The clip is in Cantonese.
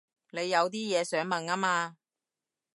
你有啲嘢想問吖嘛